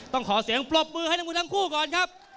ต้องขอเสียงปรบมือให้ทั้งมือทั้งคู่ก่อนครับ